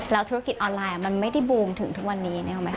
แล้วธุรกิจออนไลน์มันไม่ได้บูมถึงทุกวันนี้